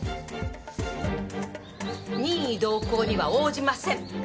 任意同行には応じません。